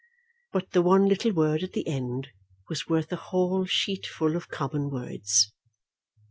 But the one little word at the end was worth a whole sheet full of common words.